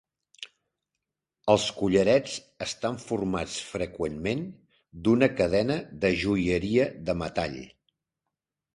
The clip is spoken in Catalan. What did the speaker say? Els collarets estan formats freqüentment d'una cadena de joieria de metall.